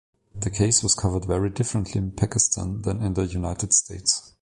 The case was covered very differently in Pakistan than in the United States.